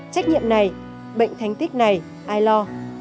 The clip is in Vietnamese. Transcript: trách nhiệm này bệnh thành tích này ai lo